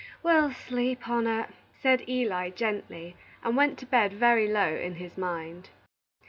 "We'll sleep on it," said Eli, gently, and went to bed very low in his mind.